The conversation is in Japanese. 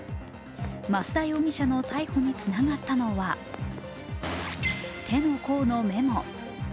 増田容疑者の逮捕につながったのは手の甲のメモ。